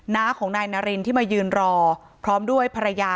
นาของนายน์ณะรินทร์ที่อยู่รอพร้อมด้วยภรรยา